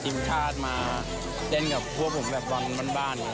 ทีมชาติมาเต้นกับพวกผมแบบบอลบ้าน